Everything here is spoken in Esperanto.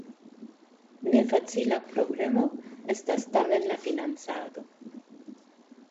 Ne facila problemo estas tamen la financado.